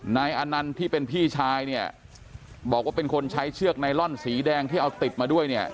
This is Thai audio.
นายอนันต์ที่เป็นพี่ชายเนี่ยบอกว่าเป็นคนใช้เชือกไนลอนสีแดงที่เอาติดมาด้วยเนี่ย